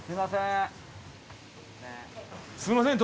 すいません。